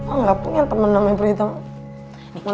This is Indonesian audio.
oh gak punya temen namanya perhitam